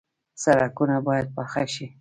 سړکونه باید پاخه شي